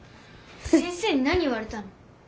先生に何言われたの？